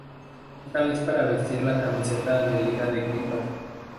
Esta vez para vestir la camiseta de Liga de Quito.